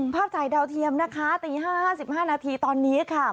ภาพถ่ายดาวเทียมนะคะตี๕๕นาทีตอนนี้ค่ะ